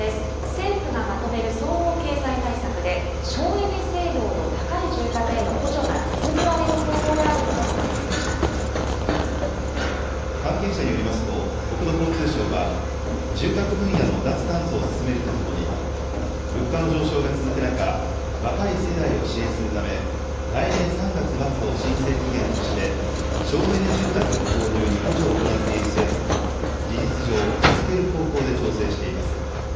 政府がまとめる総合経済対策で、省エネ性能の高い住宅への補助が続けられる方向であることが分か関係者によりますと、国土交通省は、住宅分野の脱炭素を進めるとともに、物価の上昇が続く中、若い世代を支援するため、来年３月末を申請期限として、省エネ住宅の購入に補助を行っている制度を事実上、続ける方向で調整しています。